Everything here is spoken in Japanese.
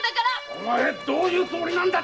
お前どういうつもりなんだ！